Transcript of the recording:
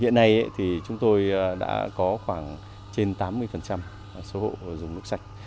hiện nay thì chúng tôi đã có khoảng trên tám mươi số hộ dùng nước sạch